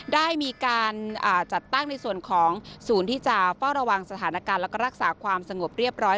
ได้มีการจัดตั้งในส่วนของศูนย์ที่จะเฝ้าระวังสถานการณ์แล้วก็รักษาความสงบเรียบร้อย